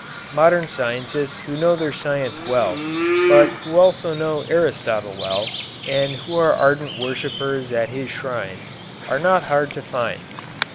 Modern scientists who know their science well, but who also know Aristotle well, and who are ardent worshippers at his shrine, are not hard to find.